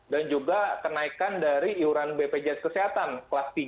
dan juga kenaikan dari iuran bpjs kesehatan kelas tiga